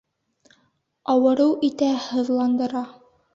Ауырыу итә, һыҙландыра.